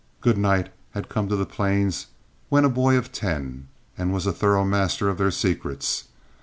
Goodnight had come to the plains when a boy of ten, and was a thorough master of their secrets.